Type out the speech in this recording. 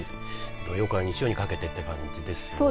土曜から日曜にかけてって感じですよね。